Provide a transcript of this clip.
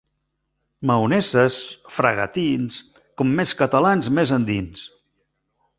Maoneses, fragatins, com més catalans més endins.